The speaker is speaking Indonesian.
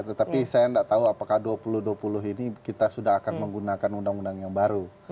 tetapi saya tidak tahu apakah dua ribu dua puluh ini kita sudah akan menggunakan undang undang yang baru